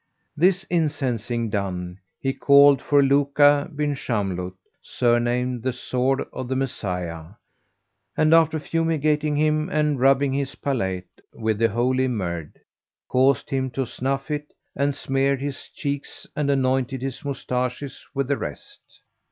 This incensing done, he called for Luka bin Shamlut, surnamed the Sword of the Messiah; and, after fumigating him and rubbing his palate with the Holy Merde, caused him to snuff it and smeared his cheeks and anointed his moustaches with the rest.